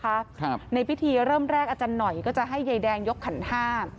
ครับในพิธีเริ่มแรกอาจารย์หน่อยก็จะให้ยายแดงยกขันห้า